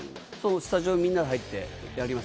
スタジオで、みんなで入ってやります。